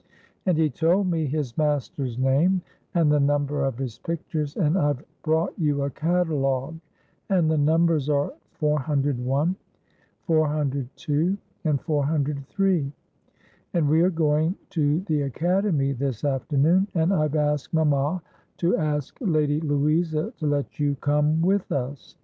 And he told me his master's name, and the number of his pictures; and I've brought you a catalogue, and the numbers are 401, 402, and 403. And we are going to the Academy this afternoon, and I've asked mamma to ask Lady Louisa to let you come with us.